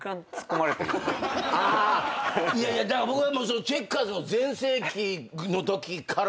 いやいや僕はチェッカーズの全盛期のときから。